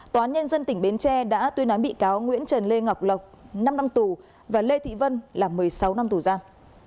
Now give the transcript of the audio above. tòa án nhân dân tỉnh bến tre đã tuyên án bị cáo nguyễn trần lê ngọc lộc năm năm tù và lê thị vân là một mươi sáu năm tù giam